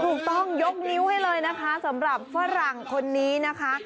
ยกนิ้วให้เลยนะคะสำหรับฝรั่งคนนี้นะคะ